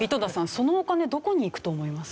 そのお金どこに行くと思います？